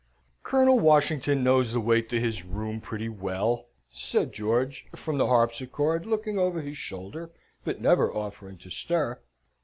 "Colonel Washington knows the way to his room pretty well," said George, from the harpsichord, looking over his shoulder, but never offering to stir."